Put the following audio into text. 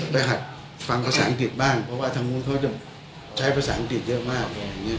ไปฮัดฟังภาษาอังกฤษบ้างเพราะว่าทางโมงเขาจะใช้ภาษาอังกฤษเยอะมาก